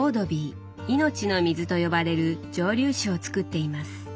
命の水と呼ばれる蒸留酒をつくっています。